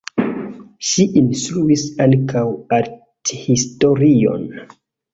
Ŝi instruis ankaŭ arthistorion.